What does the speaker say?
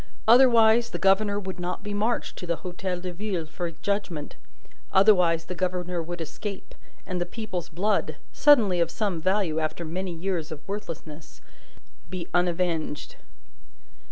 Otherwise, the governor would not be marched to the Hotel de Ville for judgment. Otherwise, the governor would escape, and the people's blood (suddenly of some value, after many years of worthlessness) be unavenged.